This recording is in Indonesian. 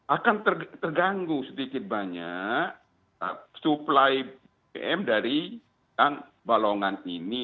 akan terganggu sedikit banyak supply bm dari kang balongan ini